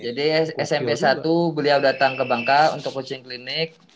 jadi smp satu beliau datang ke bangka untuk coaching clinic